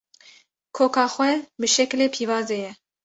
Koka xwe bi şeklê pîvazê ye